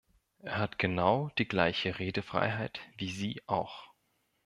Er hat genau die gleiche Redefreiheit wie Sie auch.